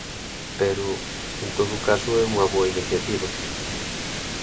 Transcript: Pero, en todo caso é unha boa iniciativa.